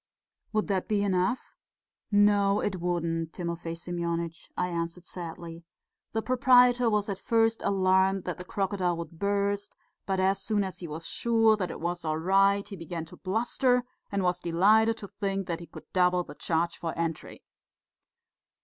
"Would that be enough?" "No, it wouldn't, Timofey Semyonitch," I answered sadly. "The proprietor was at first alarmed that the crocodile would burst, but as soon as he was sure that it was all right, he began to bluster and was delighted to think that he could double the charge for entry."